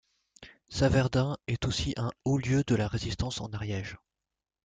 Saverdun est aussi un haut lieu de la Résistance en Ariège.